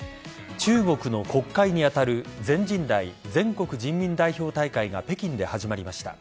中国の国会に当たる全人代＝全国人民代表大会が北京で始まりました。